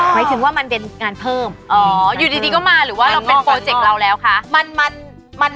หมายถึงว่ามันเป็นงานเพิ่มอยู่ดีก็มาหรือว่าเราเป็นโปรเจกต์เราแล้วคะ